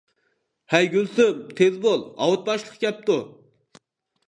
-ھەي گۈلسۈم تىز بول ئاۋۇت باشلىق كەپتۇ.